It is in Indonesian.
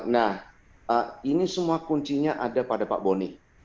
nah ini semua kuncinya ada pada pak boni